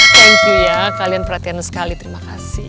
thank you ya kalian perhatian sekali terima kasih